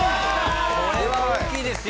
これは大きいですよ